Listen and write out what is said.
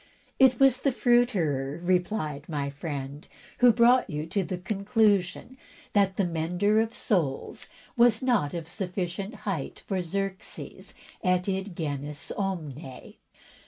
"It was the fruiterer," replied my friend, "who brought you to the conclusion that the mender of soles was not of sufficient height for Xerxes et id genus omne.'